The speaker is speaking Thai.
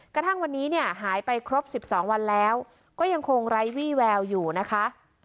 กระทั่งวันนี้เนี่ยหายไปครบ๑๒วันแล้วก็ยังคงไร้วี่แววอยู่นะคะ